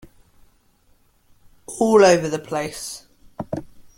All over the place.